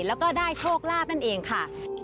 แล้วก็ได้โชคลาภนั่นเองค่ะ